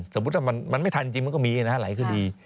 สมมุติว่ามันไม่ทันจริงมันก็มีนะฮะหลายคดี